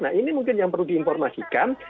nah ini mungkin yang perlu diinformasikan